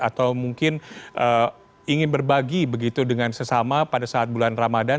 atau mungkin ingin berbagi begitu dengan sesama pada saat bulan ramadan